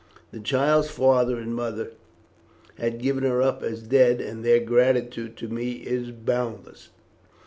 The child's father and mother had given her up as dead, and their gratitude to me is boundless.